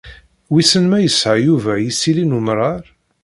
Wissen ma yesɛa Yuba isili n umrar.